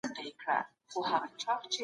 سبزیجات باید په پاکو اوبو پریمنځل شي.